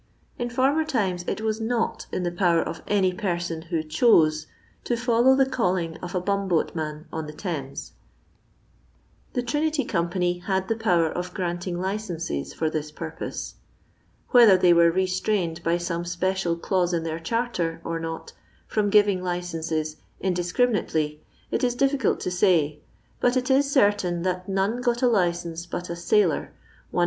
In former times it was not in the power of any person who chose to follow the calling of a bum boat man on the Thames. The Trinity Com 94 lONDOir LABOUR AND TEB LOITBON POOIL puj had the power of gimnting licences for thii purpoM. Whether they were ri'ttmitied by tome •pecial ckttM in their charter, or not, from giving licences indiscriminately, it is difficult to say. But it is certain that none got a licence but a sailor — one.